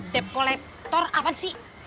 dep kolektor apaan sih